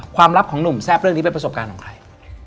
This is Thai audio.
ลับของหนุ่มแซ่บเรื่องนี้เป็นประสบการณ์ของใคร